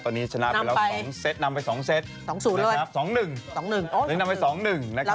ตอนนี้ชนะไปแล้ว๒เซตนำไป๒เซตนำไป๒๑นำไป๒๑นะครับ